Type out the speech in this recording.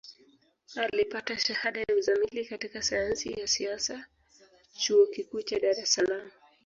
Alipata Shahada ya Uzamili katika Sayansi ya Siasa Chuo Kikuu cha Dar es Salaam